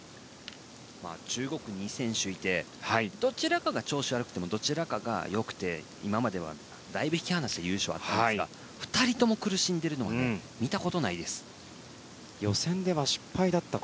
中国、２選手がいてどちらかが調子悪くてもどちらかが良くて今まではだいぶ引き離して優勝していますが２人とも苦しんでいるのは見たことないです。